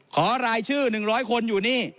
รายชื่อ๑๐๐คนอยู่นี่